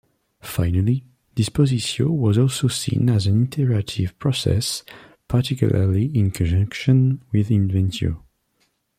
Finally, "dispositio" was also seen as an iterative process, particularly in conjunction with "inventio".